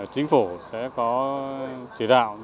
chính phủ sẽ có chỉ đạo